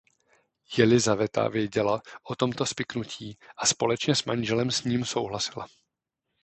Jelizaveta věděla o tomto spiknutí a společně s manželem s ním souhlasila.